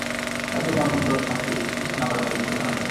তারা তো মর্মন্তুদ শাস্তি প্রত্যক্ষ না করা পর্যন্ত ঈমান আনবে না।